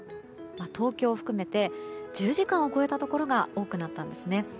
東京を含めて１０時間を超えたところが多くなったんですね。